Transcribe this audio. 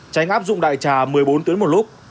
tránh áp dụng đại trà một mươi bốn tuyến một lúc